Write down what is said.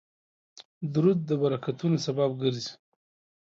درود د برکتونو سبب ګرځي